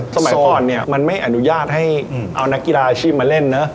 สมัยก่อนเนี่ยมันไม่อนุญาตให้เอานักกีฬาอาชีพมาเล่นเนอะ